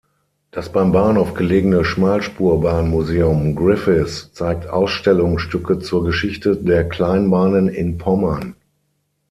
Das beim Bahnhof gelegene Schmalspurbahnmuseum Gryfice zeigt Ausstellungsstücke zur Geschichte der Kleinbahnen in Pommern.